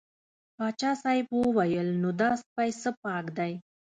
پاچا صاحب وویل نو دا سپی څه پاک دی.